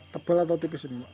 tebal atau tipis ini pak